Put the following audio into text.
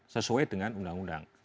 sesuai dengan undang undang